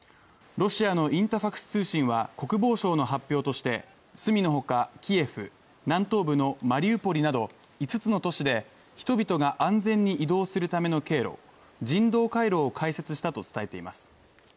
ロシアのインタファクス通信は、国防省の発表としてスミのほか、キエフ、南東部のマリウポリなど５つの都市で人々が安全に移動するための経路人道回廊を開設したと伝えています。